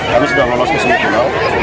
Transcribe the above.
kami sudah lolos ke semifinal